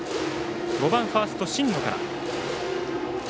５番ファースト、新野から。